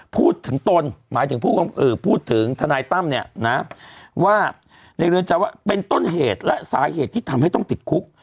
ตนหมายถึงพูดถึงทนายตั้มเนี่ยนะว่าในเรือนจำว่าเป็นต้นเหตุและสาเหตุที่ทำให้ต้องติดคุก